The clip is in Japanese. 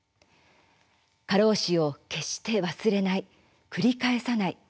過労死を決して忘れない繰り返さない。